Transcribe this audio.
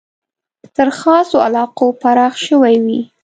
تر خاصو علاقو پراخ شوی وي.